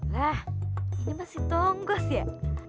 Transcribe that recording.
wah ini masih tonggos ya